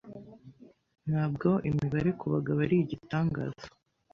Ntabwo imibare ku bagabo arigitangaza